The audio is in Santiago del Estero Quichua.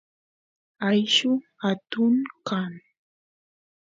ayllu atun kan